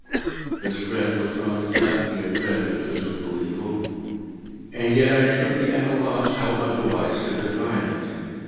This dread was not exactly a dread of physical evil—and yet I should be at a loss how otherwise to define it.